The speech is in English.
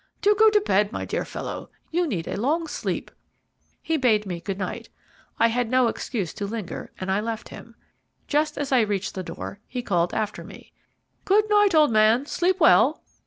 Do go to bed, my dear fellow; you need a long sleep." He bade me good night. I had no excuse to linger, and I left him. Just as I had reached the door, he called after me: "Good night, old man; sleep well."